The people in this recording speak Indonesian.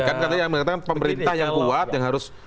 kan katanya pemerintah yang kuat yang harus